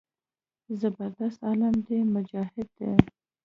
زبردست عالم دى مجاهد دى.